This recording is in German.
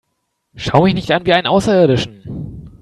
Schau mich nicht an wie einen Außerirdischen!